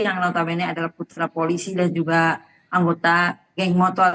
yang notabene adalah putra polisi dan juga anggota geng motor